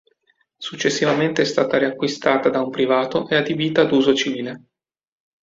Successivamente è stata riacquistata da un privato e adibita ad uso civile.